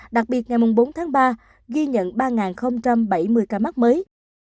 đặc biệt ngày bốn tháng ba ghi nhận ba bảy mươi ca mắc mới